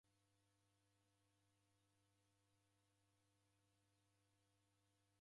Dadima kubonya kazi andu kumweri sa timu.